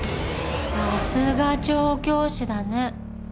さすが調教師だね